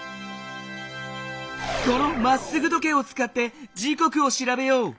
この「まっすぐ時計」をつかって時こくをしらべよう。